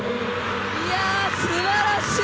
いや、すばらしい！